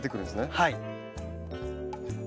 はい。